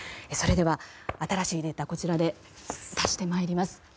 それでは、新しいデータをこちらで足してまいります。